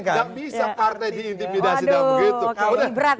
gak bisa partai diintimidasi